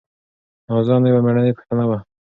نازو انا یوه مېړنۍ پښتنه وه.